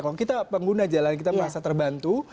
kalau kita pengguna jalan kita merasa terbantu